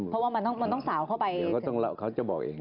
เพราะว่ามันต้องสาวเขาจะบอกเอง